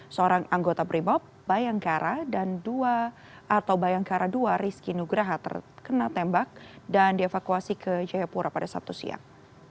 seorang anggota brimob bayangkara dan dua atau bayangkara ii rizky nugraha terkena tembak dan dievakuasi ke jayapura pada sabtu siang